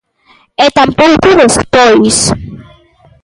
E tampouco despois.